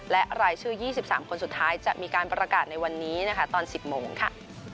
และรายชื่อ๒๓คนสุดท้ายจะมีการประกาศในวันนี้นะคะตอน๑๐โมงค่ะ